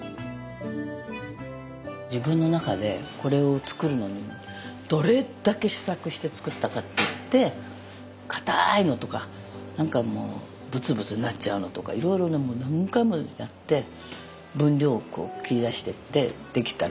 自分の中でこれを作るのにどれだけ試作して作ったかっていってかたいのとか何かもうブツブツなっちゃうのとかいろいろ何回もやって分量切り出してって出来たのがこれなの。